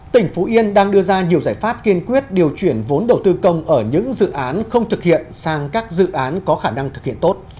tỉnh phú yên đang đưa ra nhiều giải pháp kiên quyết điều chuyển vốn đầu tư công ở những dự án không thực hiện sang các dự án có khả năng thực hiện tốt